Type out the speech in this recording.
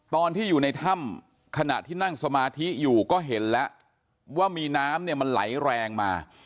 ตอนที่อยู่ในถ้ำขณะที่นั่งสมาธิอยู่ก็เห็นแล้วว่ามีน้ำเนี่ยมันไหลแรงมา